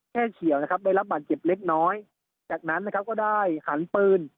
เฉียวนะครับได้รับบาดเจ็บเล็กน้อยจากนั้นนะครับก็ได้หันปืน